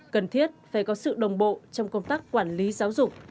cần thiết phải có sự đồng bộ trong công tác quản lý giáo dục